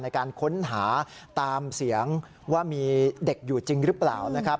ในการค้นหาตามเสียงว่ามีเด็กอยู่จริงหรือเปล่านะครับ